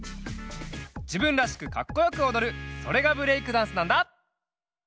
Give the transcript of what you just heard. じぶんらしくかっこよくおどるそれがブレイクダンスなんだ！